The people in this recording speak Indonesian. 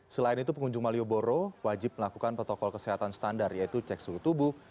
selain itu pengunjung malioboro wajib melakukan protokol kesehatan standar yaitu cek suhu tubuh